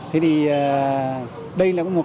thế thì đây là một cái